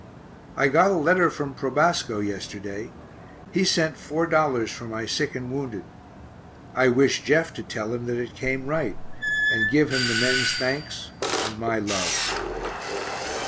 I got a letter from Probasco yesterday; he sent $4 for my sick and wounded I wish Jeff to tell him that it came right, and give him the men's thanks and my love.